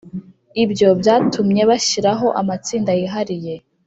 Ibyo byatumye bashyiraho amatsinda yihariye